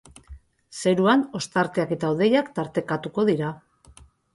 Zeruan ostarteak eta hodeiak tartekatuko dira.